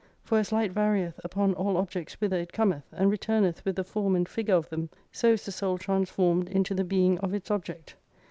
For as light varieth upon all objects whither it Cometh, and returneth with the form and figure of them : so is the soul transformed into the Being of its object.